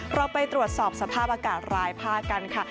เราไปตรวจสอบสภาพอากาศรายภาคกันค่ะ